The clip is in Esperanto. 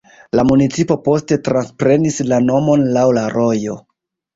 La municipo poste transprenis la nomon laŭ la rojo.